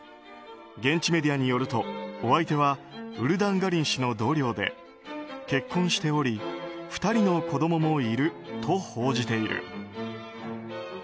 現地メディアによるとお相手はウルダンガリン氏の同僚で結婚しており２人の子供もいると報じている。